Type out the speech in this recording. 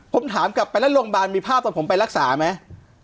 ผมถามกลับไปแล้วโรงพยาบาลมีภาพตอนผมไปรักษาไหม